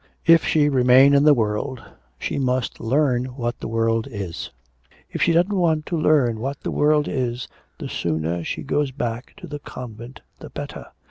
If she remain in the world she must learn what the world is. If she doesn't want to learn what the world is, the sooner she goes back to the convent the better.